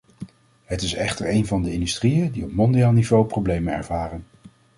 Het is echter een van de industrieën die op mondiaal niveau problemen ervaren.